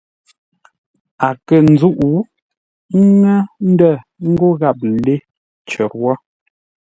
A kə̂ nzúʼ ńŋə́ ndə̂ ńgó gháp lê cər wó.